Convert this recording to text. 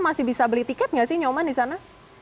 masih bisa beli tiket nggak sih nyoman di sana